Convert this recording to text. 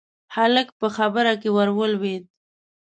هلک په خبره کې ورولوېد: